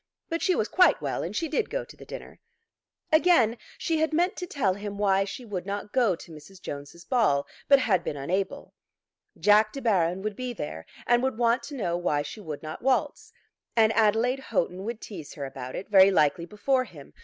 But she was quite well, and she did go to the dinner. Again she had meant to tell him why she would not go to Mrs. Jones's ball, but had been unable. Jack De Baron would be there, and would want to know why she would not waltz. And Adelaide Houghton would tease her about it, very likely before him.